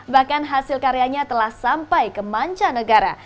bahkan hasil karyanya telah sampai ke manca negara